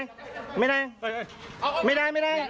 น้องมา